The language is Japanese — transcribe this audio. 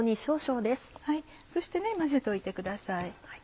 そして混ぜておいてください。